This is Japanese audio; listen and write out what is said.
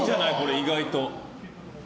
意外と。